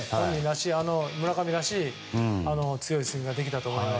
村上らしい強いスイングができたと思います。